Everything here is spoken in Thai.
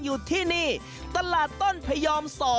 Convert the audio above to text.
อยู่ที่นี่ตลาดต้นพยอม๒